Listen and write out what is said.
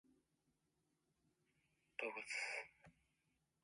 本日はありがとうございました。